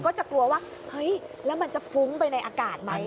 ก็จะกลัวว่าเฮ้ยแล้วมันจะฟุ้งไปในอากาศไหม